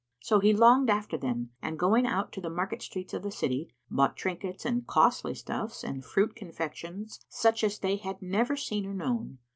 So he longed after them and going out to the marketstreets of the city, bought trinkets and costly stuffs and fruit confections, such as they had never seen or known.